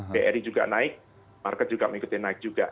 bri juga naik market juga mengikuti naik juga